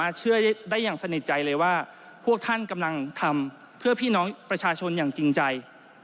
และสนิทใจเลยว่าพวกท่านกำลังทำเพื่อพี่น้องประชาชนอย่างจริงใจ